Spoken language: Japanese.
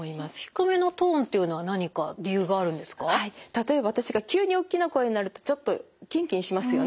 例えば私が急におっきな声になるとちょっとキンキンしますよね。